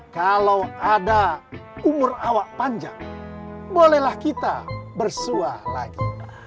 kalau ada umur awak panjang bolehlah kita bersuah lagi